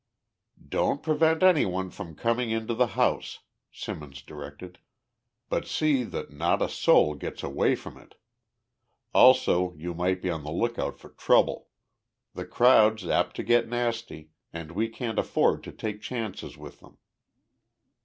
"Don't prevent anyone from coming into the house," Simmons directed, "but see that not a soul gets away from it. Also, you might be on the lookout for trouble. The crowd's apt to get nasty and we can't afford to take chances with them."